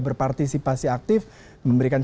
berpartisipasi aktif memberikan